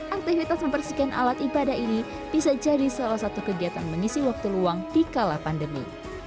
aktivitas membersihkan alat ibadah ini bisa jadi salah satu kegiatan mengisi waktu luang di kala pandemi